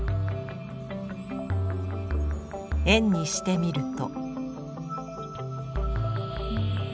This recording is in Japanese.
円にしてみると？